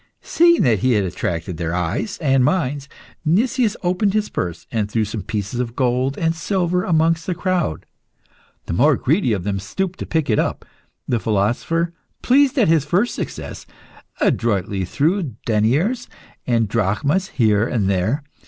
Seeing that he had attracted their eyes and minds, Nicias opened his purse and threw some pieces of gold and silver amongst the crowd. The more greedy of them stooped to pick it up. The philosopher, pleased at his first success, adroitly threw deniers and drachmas here and there.